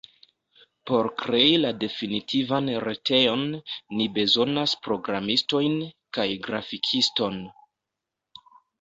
Por krei la definitivan retejon ni bezonas programistojn kaj grafikiston.